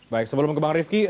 baik sebelum kebang rifki